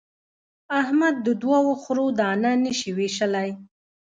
احمد د دوو خرو دانه نه شي وېشلای.